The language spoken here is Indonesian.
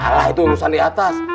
alah itu urusan diatas